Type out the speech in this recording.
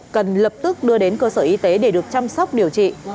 cần lập tức đưa đến cơ sở y tế để được chăm sóc điều trị